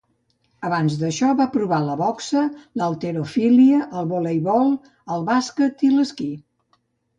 Abans d'això va provar la boxa, l'halterofília, el voleibol, el bàsquet i l'esquí.